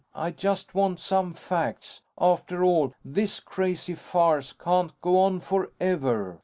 I just want some facts. After all, this crazy farce can't go on forever."